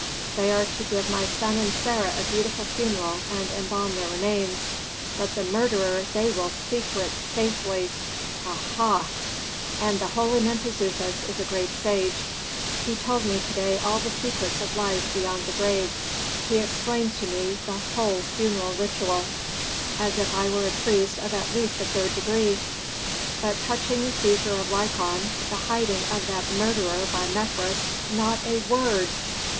They are to give my son and Sarah a beautiful funeral, and embalm their remains. But the murderer they will secrete safely. Aha! "And the holy Mentezufis is a great sage. He told me to day all the secrets of life beyond the grave; he explained to me the whole funeral ritual, as if I were a priest at least of the third degree. But touching the seizure of Lykon, the hiding of that murderer by Mefres, not a word!